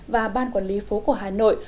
và ban quản lý phố của hà nội